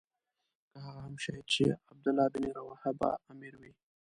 که هغه هم شهید شي عبدالله بن رواحه به امیر وي.